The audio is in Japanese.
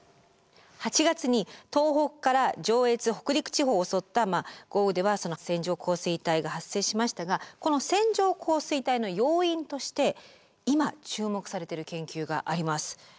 ８月に東北から上越北陸地方を襲った豪雨では線状降水帯が発生しましたがこの線状降水帯の要因として今注目されている研究があります。